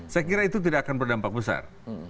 saya kira itu tidak akan berdampak besar